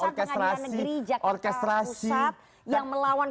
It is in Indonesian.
orkestrasi yang melawan